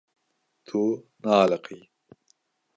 Tu naaliqî.